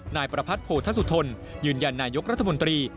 นายประพัทธโพธสุธนยืนยันนายกรัฐมนตรี